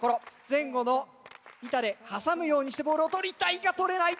前後の板で挟むようにしてボールを取りにいった取れない！